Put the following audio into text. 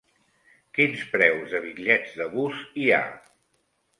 Quins preus de bitllets de bus hi ha?